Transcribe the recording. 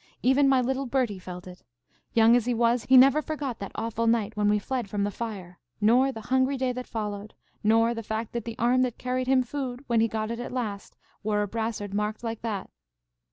Even my little Bertie felt it. Young as he was, he never forgot that awful night when we fled from the fire, nor the hungry day that followed, nor the fact that the arm that carried him food, when he got it at last, wore a brassard marked like that."